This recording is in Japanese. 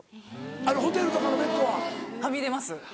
あのホテルとかのベッドは？はみ出ます。